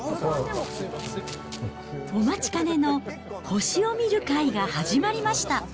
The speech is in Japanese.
お待ちかねの星を見る会が始まりました。